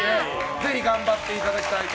ぜひ頑張っていただきたいと